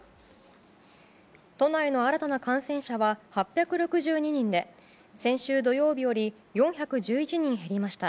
都内の新たな感染者は８６２人で先週土曜日より４１１人減りました。